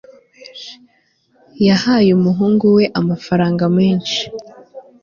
yahaye umuhungu we amafaranga menshi